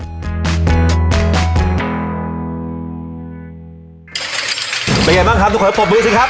เป็นยังไงบ้างครับทุกคนปรบมือสิครับ